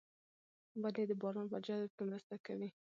ونې د باران په جذب کې مرسته کوي.